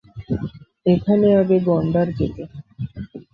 এখানে আগে গণ্ডার দেখা যেত।